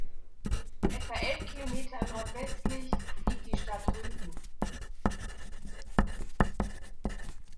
Etwa elf Kilometer nordwestlich liegt die Stadt Rüthen.